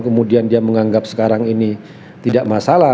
kemudian dia menganggap sekarang ini tidak masalah